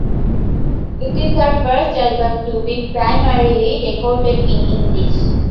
It is her first album to be primarily recorded in English.